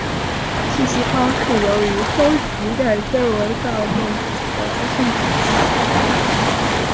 信息框是由于收集展现文档等主题的资讯子集。